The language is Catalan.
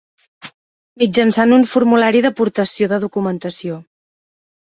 Mitjançant un formulari d'aportació de documentació.